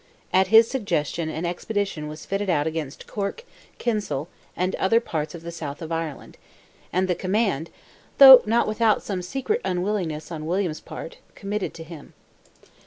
At his suggestion an expedition was fitted out against Cork, Kinsale, and other ports of the south of Ireland, and the command, though not without some secret unwillingness on William's part, committed to him.